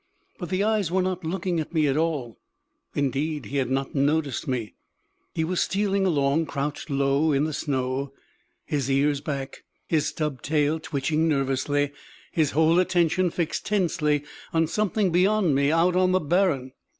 But the eyes were not looking at me at all. Indeed, he had not noticed me. He was stealing along, crouched low in the snow, his ears back, his stub tail twitching nervously, his whole attention fixed tensely on something beyond me out on the barren.